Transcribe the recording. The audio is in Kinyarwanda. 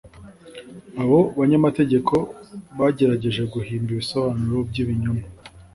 abo banyamategeko bagerageje guhimba ibisobanuro by'ibinyoma;